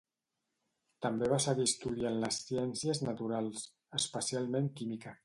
També va seguir estudiant les ciències naturals, especialment química.